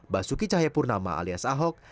basuki cahayapurnama alias ahok